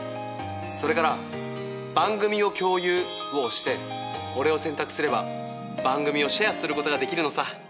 それから「番組を共有」を押して俺を選択すれば番組をシェアすることができるのさ。